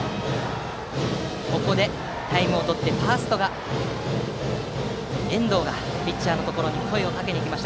ここでタイムを取ってファースト、遠藤がピッチャーに声をかけに行きます。